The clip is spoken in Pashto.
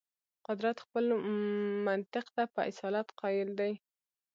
قدرت خپلو منطق ته په اصالت قایل دی.